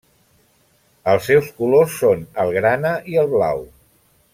Els seus colors són el grana i el blau.